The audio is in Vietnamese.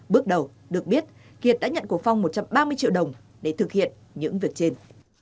bước đầu được biết kiệt đã nhận của phong một trăm ba mươi triệu đồng để thực hiện những việc trên